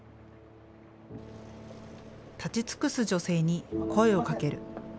立ち尽くす女性に、声をかける。